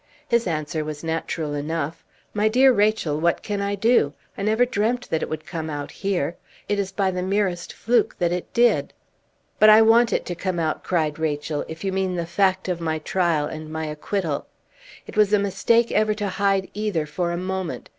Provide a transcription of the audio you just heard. His answer was natural enough. "My dear Rachel, what can I do? I never dreamt that it would come out here; it is by the merest fluke that it did." "But I want it to come out," cried Rachel; "if you mean the fact of my trial and my acquittal. It was a mistake ever to hide either for a moment.